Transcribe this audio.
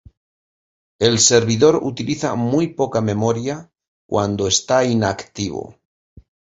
El servidor utiliza muy poca memoria cuando está inactivo.